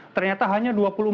ternyata hanya dua puluh empat